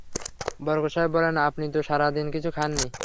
বরকত সাহেব বললেন, আপনি তো সারা দিন কিছু খান নি।